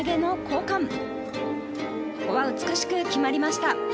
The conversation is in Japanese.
ここは美しく決まりました。